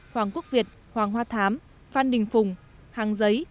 hoàng quốc việt hoàng hoa thám phan đình phùng hàng giấy